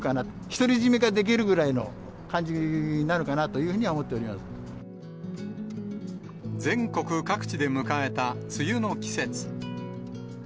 独り占めができるくらいの感じなのかなというふうには思っており全国各地で迎えた梅雨の季節。